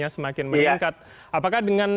semakin meningkat apakah dengan